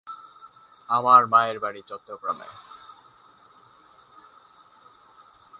আমার মায়ের বাড়ি চট্টগ্রামে।